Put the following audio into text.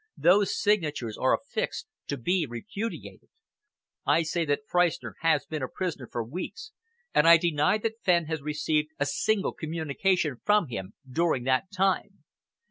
Those signatures are affixed to be repudiated. I say that Freistner has been a prisoner for weeks, and I deny that Fenn has received a single communication from him during that time.